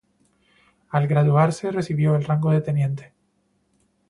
Al graduarse recibió el rango de teniente.